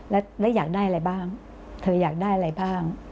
แล้วอยากได้อะไรบ้างเธออยากได้อะไรบ้าง